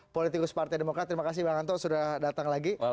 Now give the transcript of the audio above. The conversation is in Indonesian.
politikus partai demokrat terima kasih bang anto sudah datang lagi